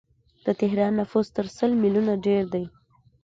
د تهران نفوس تر لس میلیونه ډیر دی.